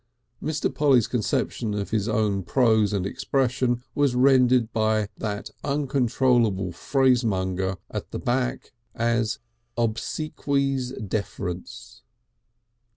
Mr. Polly's conception of his own pose and expression was rendered by that uncontrollable phrasemonger at the back as "Obsequies Deference."